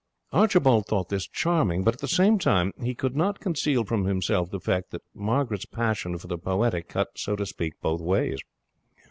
Archibald thought this charming; but at the same time he could not conceal from himself the fact that Margaret's passion for the poetic cut, so to speak, both ways.